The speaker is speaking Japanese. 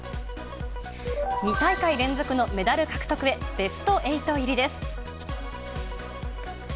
２大会連続のメダル獲得へ、ベスト８入りです。